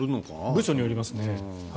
部署によりますね。